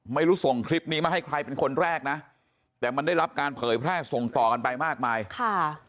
ส่งคลิปนี้มาให้ใครเป็นคนแรกนะแต่มันได้รับการเผยแพร่ส่งต่อกันไปมากมายค่ะ